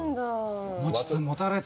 持ちつ持たれつ。